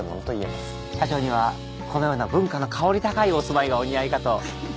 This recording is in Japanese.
社長にはこのような文化の薫り高いお住まいがお似合いかと。